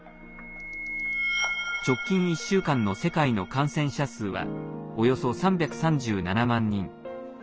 直近１週間の世界の感染者数はおよそ３３７万人。